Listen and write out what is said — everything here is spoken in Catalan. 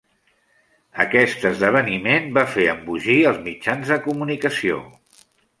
Aquest esdeveniment va fer embogir els mitjans de comunicació.